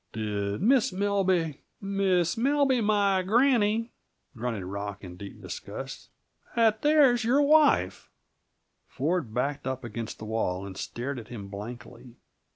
"Did Miss Melby " "Miss Melby my granny!" grunted Rock, in deep disgust. "That there is your wife!" Ford backed up against the wall and stared at him blankly.